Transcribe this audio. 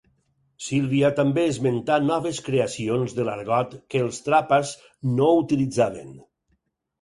Sílvia també esmentà noves creacions de l'argot que els Trapas no utilitzaven.